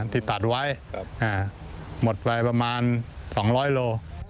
ที่ตัดไว้ครับอ่าหมดไปประมาณสองร้อยโล